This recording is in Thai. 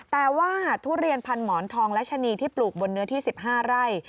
แต่ว่าทุเรียนพันหมอนทองและชะนีที่ปลูกบนเนื้อที่๑๕ไร่